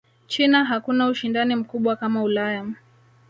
china hakuna ushindani mkubwa kama Ulaya